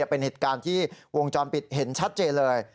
เป็นเหตุการณ์ที่วงจรปิดเห็นชัดเจนเลย